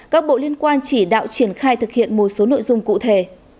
các bộ liên quan chỉ đạo triển khai thực hiện một số nội dung cụ thể